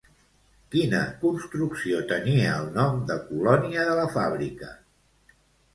Quina construcció tenia el nom de Colònia de la Fàbrica?